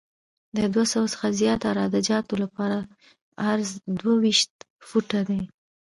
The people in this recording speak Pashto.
د دوه سوه څخه زیات عراده جاتو لپاره عرض دوه ویشت فوټه دی